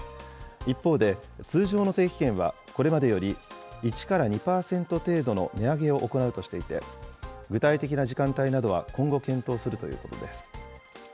一方で、通常の定期券はこれまでより１から２％程度の値上げを行うとしていて、具体的な時間帯などは今後検討するということです。